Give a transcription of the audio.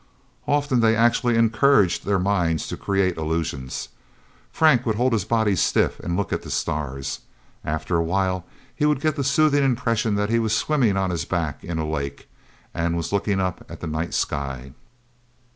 Often they actually encouraged their minds to create illusions. Frank would hold his body stiff, and look at the stars. After a while he would get the soothing impression that he was swimming on his back in a lake, and was looking up at the night sky.